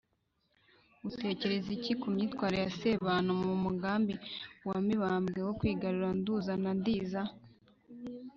utekereza iki ku myitwarire ya sebantu mu mugambi wa mibambwe wo kwigarurira nduga na ndiza ?